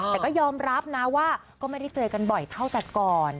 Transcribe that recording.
แต่ก็ยอมรับนะว่าก็ไม่ได้เจอกันบ่อยเท่าแต่ก่อน